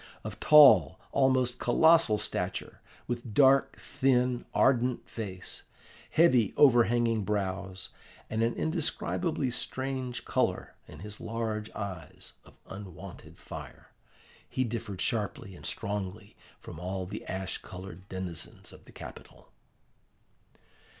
Of tall, almost colossal stature, with dark, thin, ardent face, heavy overhanging brows, and an indescribably strange colour in his large eyes of unwonted fire, he differed sharply and strongly from all the ash coloured denizens of the capital.